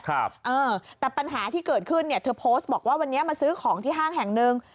เออแต่ปัญหาที่เกิดขึ้นเนี่ยเธอโพสต์บอกว่าวันนี้มาซื้อของที่ห้างแห่งหนึ่ง